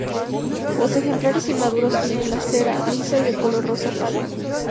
Los ejemplares inmaduros tienen la cera lisa y de color rosa pálido.